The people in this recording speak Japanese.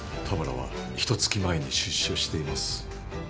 田村はひとつき前に出所しています。